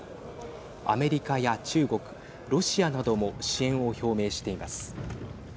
アメリカや中国、ロシアなども支援を表明しています。